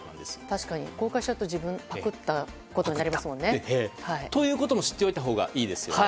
確かに公開しちゃうとパクったことになりますよね。ということも知っておいたほうがいいですよね。